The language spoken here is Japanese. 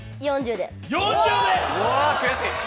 ４０で。